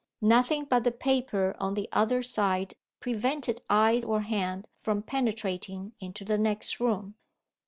Nothing but the paper on the other side prevented eye or hand from penetrating into the next room.